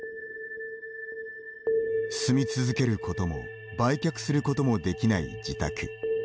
住み続けることも売却することもできない自宅。